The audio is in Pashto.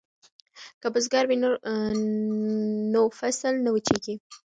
که بزګر وي نو فصل نه وچیږي.